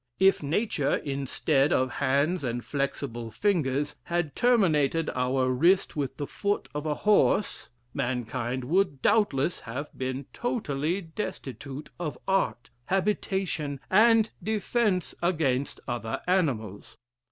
If Nature, instead of hands and flexible fingers, had terminated our wrist with the foot of a horse, mankind would doubtless have been totally destitute of art, habitation, and defence against other animals.